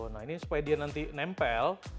nah ini supaya dia nanti nempel